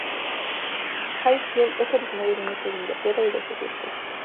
Hadfield es originario del norte de Inglaterra y del sur de Escocia.